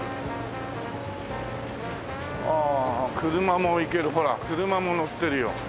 ああ車もいけるほら車も乗ってるよ。